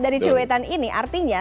dari cuitan ini artinya